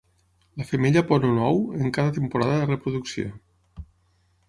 La femella pon un ou en cada temporada de reproducció.